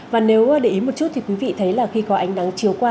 và nếu để ý một chút thì quý vị thấy là khi có ánh nắng chiều qua